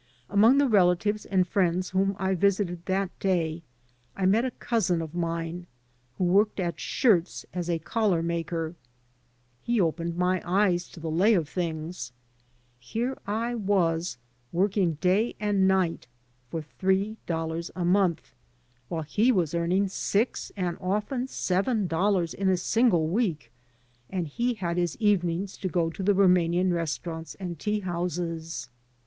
Among the relatives and friends whom I visited that day I met a cousin of mine who worked at shirts as a collar maker. He opened my eyes to the lay of things. Here I was working day and night for three dollars a month, while he was earning six and often seven dollars in a single week, and he had his evenings to go to the Rumanian restaurants and tea houses.